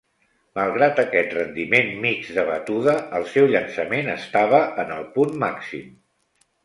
Malgrat aquest rendiment mixt de batuda, el seu llançament estava en el punt màxim.